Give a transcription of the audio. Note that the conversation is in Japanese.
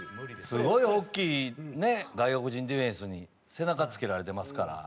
すごい大きい外国人ディフェンスに背中つけられてますから。